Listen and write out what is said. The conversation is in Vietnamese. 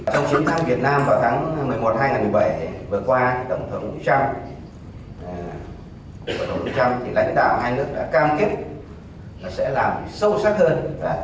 trong chín tháng việt nam và tháng một mươi một hai nghìn một mươi bảy vừa qua tổng thống trump lãnh đạo hai nước đã cam kết sẽ làm sâu sắc hơn